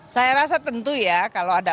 saya rasa tentu ya kalau ada